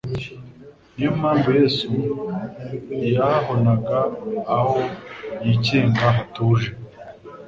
Niyo mpamvu Yesu yahabonaga aho yikinga hatuje.